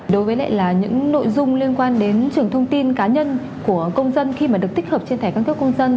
đối với lại là những nội dung liên quan đến trường thông tin cá nhân của công dân khi mà được tích hợp trên thẻ căn cước công dân